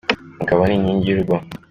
Umugabo ni inkingi y'urugo